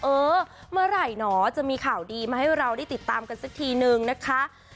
เออเมื่อไหร่หนอจะมีข่าวดีมาให้เราได้ติดตามกันสักทีนึงนะคะ